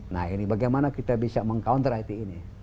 nah ini bagaimana kita bisa meng counter it ini